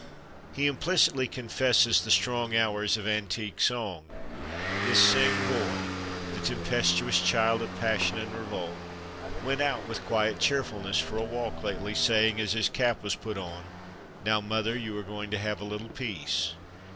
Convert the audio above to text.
He implicitly confesses "the strong hours" of antique song. This same boy the tempestuous child of passion and revolt went out with quiet cheerfulness for a walk lately, saying as his cap was put on, "Now, mother, you are going to have a little peace."